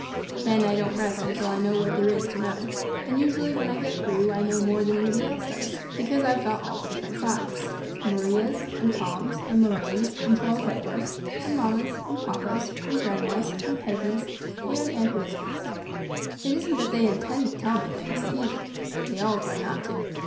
Then I don't rest until I know what there is to know, and usually when I get through I know more than anybody else does, because I've got all the different sides Maria's and Tom's and Lorraine's and Charles Edward's and mamma's and papa's and grandma's and Peggy's and Aunt Elizabeth's. It isn't that they intend to tell me things, either; they all try not to.